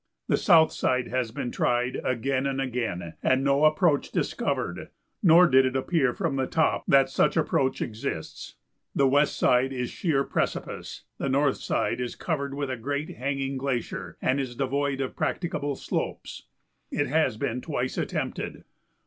The south side has been tried again and again and no approach discovered, nor did it appear from the top that such approach exists; the west side is sheer precipice; the north side is covered with a great hanging glacier and is devoid of practicable slopes; it has been twice attempted.